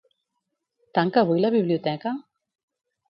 Tanca avui la biblioteca?